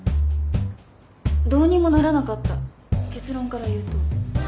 どうにもならなかった結論から言うと。